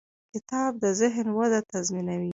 کتاب د ذهن وده تضمینوي.